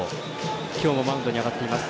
今日もマウンドに上がっています。